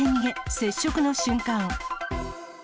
接触の瞬間。